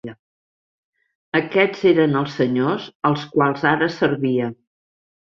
Aquests eren els senyors als quals ara servia.